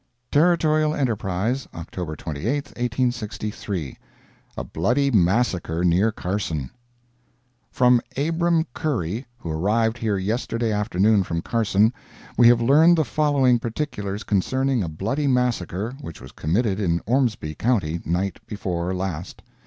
Territorial Enterprise, October 28, 1863 A BLOODY MASSACRE NEAR CARSON From Abram Curry, who arrived here yesterday afternoon from Carson, we have learned the following particulars concerning a bloody massacre which was committed in Ormsby county night before last.